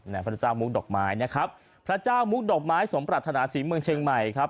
พระเจ้ามุกดอกไม้นะครับพระเจ้ามุกดอกไม้สมปรัฐนาศรีเมืองเชียงใหม่ครับ